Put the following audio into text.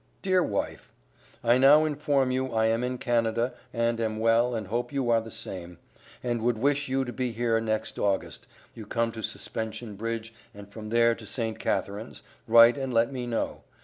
DEAR WIFE: I now infom you I am in Canada and am well and hope you are the same, and would wish you to be here next august, you come to suspension bridge and from there to St. Catharines, write and let me know.